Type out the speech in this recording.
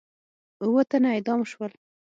اووه تنه اعدام شول.